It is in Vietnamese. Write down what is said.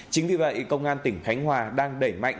chính vì vậy công an tỉnh khánh hòa đang đẩy mạnh